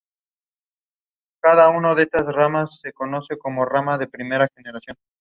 La primera elección de Rowling era Terry Gilliam, pero Warner Bros.